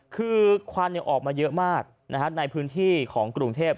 คือควันออกมาเยอะมากในพื้นที่ของกรุงเทพ